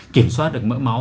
kiểm soát được mỡ máu